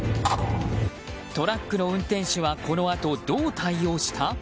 トラックの運転手はこのあとどう対応した？